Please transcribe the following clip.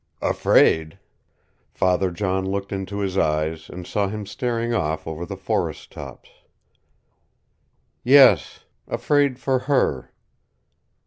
"Afraid?" Father John looked into his eyes, and saw him staring off over the forest tops. "Yes afraid for her."